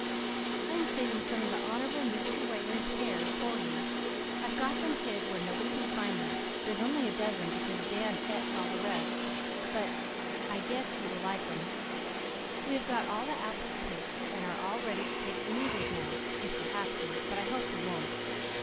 I am saving some of the Honourable Mr. Whalen's pears for you. I've got them hid where nobody can find them. There's only a dozen because Dan et all the rest, but I guess you will like them. We have got all the apples picked, and are all ready to take the measles now, if we have to, but I hope we won't.